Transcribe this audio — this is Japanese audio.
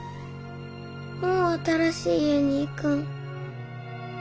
もう新しい家に行くん？